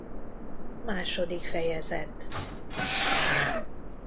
Második fejezet.